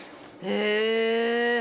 へえ